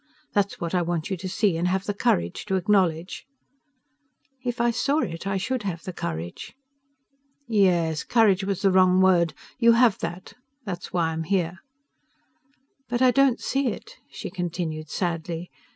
That's what I want you to see, and have the courage to acknowledge." "If I saw it I should have the courage!" "Yes: courage was the wrong word. You have that. That's why I'm here." "But I don't see it," she continued sadly.